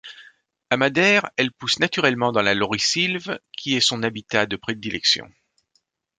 À Madère elle pousse naturellement dans la laurisylve, qui est son habitat de prédilection.